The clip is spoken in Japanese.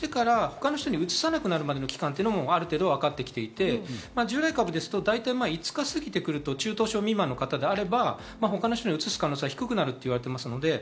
発症してから他の人にうつさなくなるまでの期間がある程度わかってきていて従来株ですと５日過ぎてくると中等症未満の方であれば他の人にうつす可能性が低くなるといわれてます。